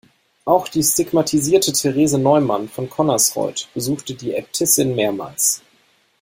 Auch die stigmatisierte Therese Neumann von Konnersreuth besuchte die Äbtissin mehrmals.